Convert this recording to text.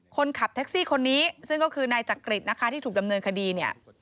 คนขับแท็กซี่คนนี้ซึ่งก็คือนายจักริตนะคะที่ถูกดำเนินคดีเนี่ย